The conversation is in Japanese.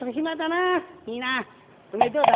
「おめえどうだ？」。